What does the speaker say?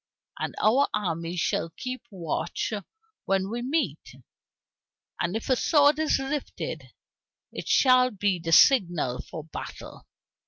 "And our armies shall keep watch when we meet, and if a sword is lifted it shall be the signal for battle."